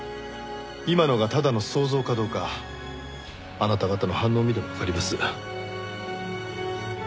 今のがただの想像かどうかあなた方の反応を見ればわかります。